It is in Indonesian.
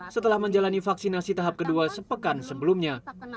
setelah menjalani vaksinasi tahap kedua sepekan sebelumnya